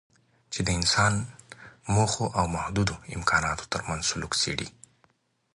چې د انسان موخو او محدودو امکاناتو ترمنځ سلوک څېړي.